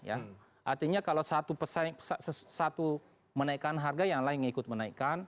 artinya kalau satu menaikkan harga yang lain ikut menaikkan